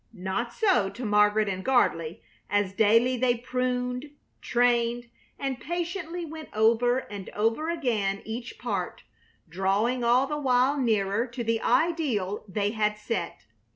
Not so to Margaret and Gardley, as daily they pruned, trained, and patiently went over and over again each part, drawing all the while nearer to the ideal they had set.